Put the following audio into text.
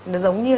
nó giống như là